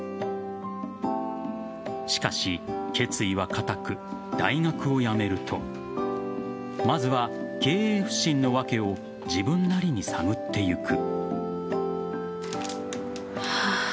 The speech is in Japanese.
しかし決意は固く、大学をやめるとまずは経営不振の訳を自分なりに探っていく。